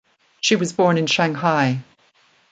She was born in Shanghai.